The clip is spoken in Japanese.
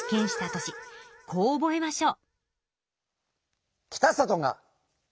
こう覚えましょう。